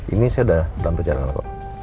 ini saya udah dalam perjalanan kok